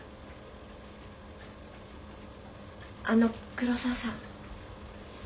あの黒沢さん。